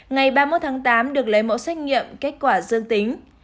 ngày ba mươi một tháng tám được lấy mẫu xét nghiệm kết quả dương tính